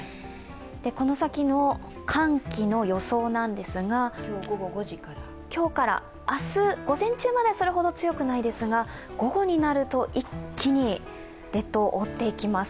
この先の寒気の予想ですが、今日から明日午前中までそれほど強くないですが、午後になると一気に列島を覆っていきます。